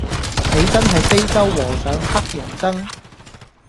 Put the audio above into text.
你真係非洲和尚乞人憎